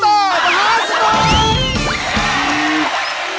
แล้วเบอร์ต่อประหลาดสุด